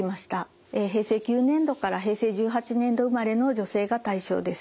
平成９年度から平成１８年度生まれの女性が対象です。